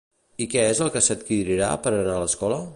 I què és el que s'adquirirà per anar a l'escola?